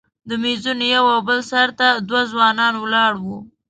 د میزونو یو او بل سر ته دوه ځوانان ولاړ وو.